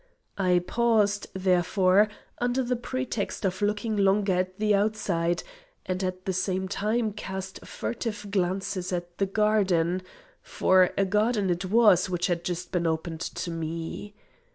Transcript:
I paused, therefore, under the pretext of looking longer at the outside, and at the same time cast furtive glances at the garden for a garden it was which had just been opened to me.